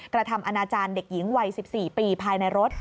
กระทำอนาจารย์เด็กหญิงวัย๑๔ปีภายในรถ